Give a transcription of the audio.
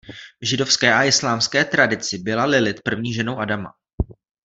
V židovské a islámské tradici byla Lilith první ženou Adama.